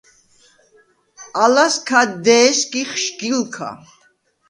ალას ქა დე̄სგიხ შგილქა.